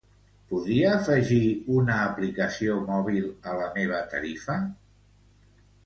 Podria afegir una aplicació mòbil a la meva tarifa?